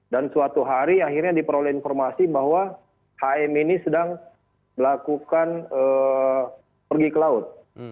dan suatu hari akhirnya diperoleh informasi bahwa hm ini sedang melakukan pergi ke laut